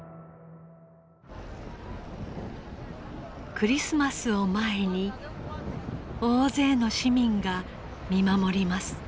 クリスマスを前に大勢の市民が見守ります。